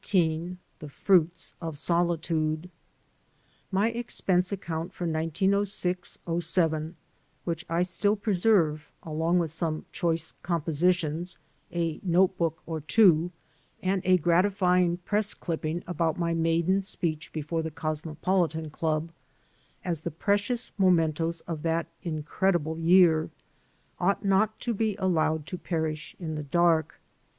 XIX THE FRUITS OF SOUTUDB MY expense account for 1906 07, which I still preserve, along with some choice compositions, a note book or two, and a gratifying press clipping about my maiden speech before' the Cosmopolitan Club, as the precious mementoes of that incredible year, ought not to be allowed to perish in the dark.